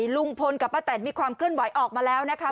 ลุงพลกับป้าแตนมีความเคลื่อนไหวออกมาแล้วนะคะ